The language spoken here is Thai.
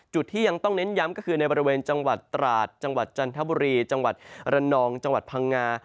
จุดที่ยังต้องเน้นย้ำก็คือในบริเวณจังหวัดตราดจังหวัดจันทบุรีจังหวัดระนองจังหวัดพังงา